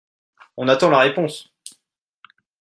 On attend la réponse